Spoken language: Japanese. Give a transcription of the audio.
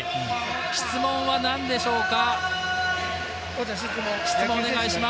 質問は何でしょうか？